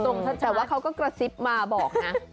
แต่ว่าเขาก็กระซิบมาบอกนะ